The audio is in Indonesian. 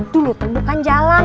dulu tuh bukan jalan